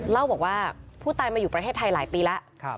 เล่าบอกว่าผู้ตายมาอยู่ประเทศไทยหลายปีแล้ว